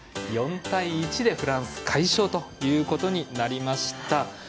４対１でフランス、快勝となりました。